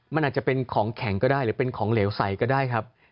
มันอาจจะเป็นของแข็งก็ได้หรือเป็นของเหลวใสก็ได้ครับ